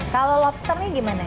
kalau lobster ini gimana